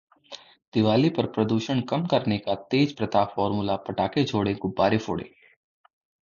दिवाली पर प्रदूषण कम करने का तेज प्रताप फॉर्मूला, पटाखे छोड़ो, गुब्बारे फोड़ो